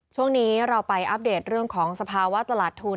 ช่วงนี้เราไปอัปเดตเรื่องของสภาวะตลาดทุน